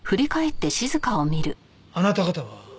あなた方は？